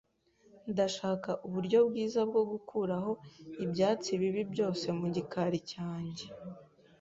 Ndashaka uburyo bwiza bwo gukuraho ibyatsi bibi byose mu gikari cyanjye.